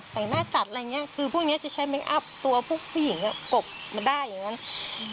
แต่งหน้าจัดอะไรอย่างเงี้ยคือพวกนี้จะใช้เคคอัพตัวพวกผู้หญิงกบมาได้อย่างนั้น